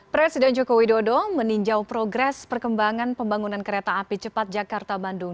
presiden joko widodo meninjau progres perkembangan pembangunan kereta api cepat jakarta bandung